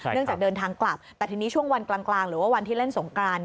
จากเดินทางกลับแต่ทีนี้ช่วงวันกลางหรือว่าวันที่เล่นสงกราน